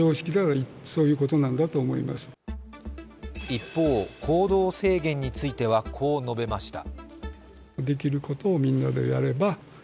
一方、行動制限についてはこう述べました。